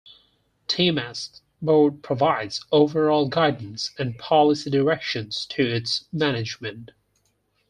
Temasek's Board provides overall guidance and policy directions to its management.